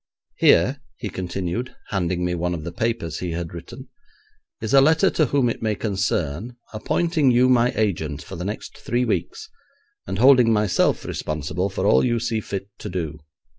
'Here,' he continued, handing me one of the papers he had written, 'is a letter to whom it may concern, appointing you my agent for the next three weeks, and holding myself responsible for all you see fit to do.